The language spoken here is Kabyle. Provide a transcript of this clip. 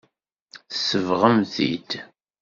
Tsebɣem-t-id.